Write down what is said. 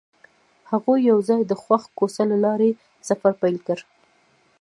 هغوی یوځای د خوښ کوڅه له لارې سفر پیل کړ.